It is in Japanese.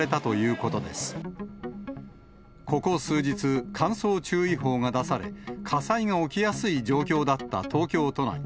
ここ数日、乾燥注意報が出され、火災が起きやすい状況だった東京都内。